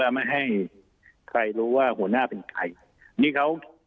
ไม่ให้ใครรู้ว่าหัวหน้าเป็นใคร